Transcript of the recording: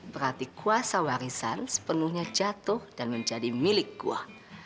berarti kuasa warisan sepenuhnya jatuh dan menjadi milik gua